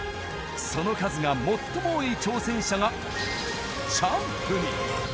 その数が最も多い挑戦者がチャンプに。